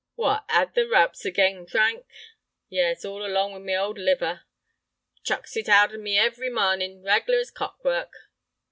"What, 'ad the roups again, Frank?" "Yes, all along with my old liver. Chucks it out of me every marnin', reg'lar as clock work."